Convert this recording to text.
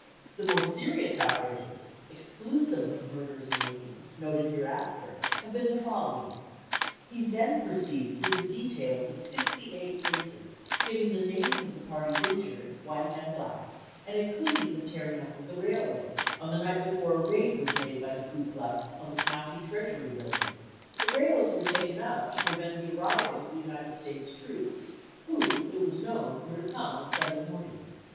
The more serious outrages, exclusive of murders and whippings, noted hereafter, have been the following: " He then proceeds with the details of sixty eight cases, giving the names of the parties injured, white and black, and including the tearing up of the railway, on the night before a raid was made by the Ku Klux on the county treasury building. The rails were taken up, to prevent the arrival of the United States troops, who, it was known, were to come on Sunday morning.